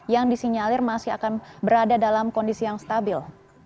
yang disinyalir masih akan berada dalam kondisi yang stabil